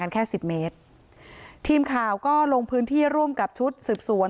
แค่สิบเมตรทีมข่าวก็ลงพื้นที่ร่วมกับชุดสืบสวน